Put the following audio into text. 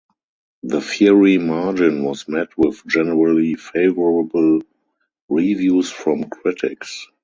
The Fiery Margin was met with generally favorable reviews from critics.